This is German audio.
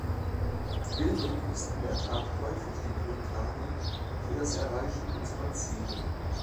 Bildung ist in der Tat häufig die Grundlage für das Erreichen unserer Ziele.